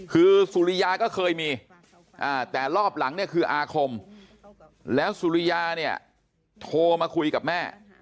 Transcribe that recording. คือสุริยาก็เคยมีแต่รอบหลังเนี่ยคืออาคมแล้วสุริยาเนี่ยโทรมาคุยกับแม่